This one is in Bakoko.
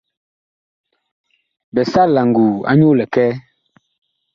Bi sal la nguu anyuu likɛɛ.